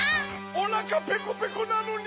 おなかペコペコなのに。